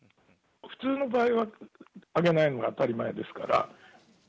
普通の場合は上げないのが当たり前ですから。